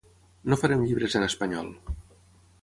No farem llibres en espanyol.